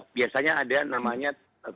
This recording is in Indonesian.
biasanya ada namanya